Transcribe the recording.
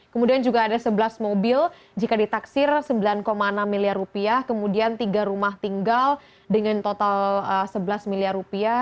kemudian juga ada sebelas mobil jika ditaksir sembilan enam miliar rupiah kemudian tiga rumah tinggal dengan total sebelas miliar rupiah